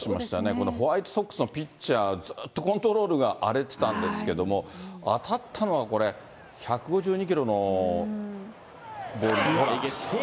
このホワイトソックスのピッチャー、ずっとコントロールが荒れてたんですけども、当たったのがこれ、１５２キロのボール。